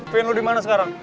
vin lu dimana sekarang